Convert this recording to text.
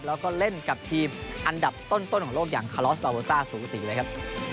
แล้วก็เล่นกับทีมอันดับต้นของโลกอย่างคาลอสบาโวซ่าสูสีเลยครับ